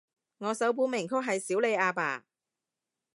我首本名曲係少理阿爸